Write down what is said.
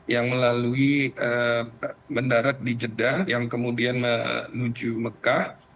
yang melalui mendarat di jeddah yang kemudian menuju mekah